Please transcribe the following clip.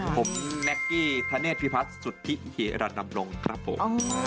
ผมแนะกี้ทัเนธภิพัศธ์สุรทีฮีรดำรมครับผม